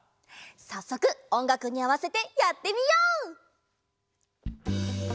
さっそくおんがくにあわせてやってみよう！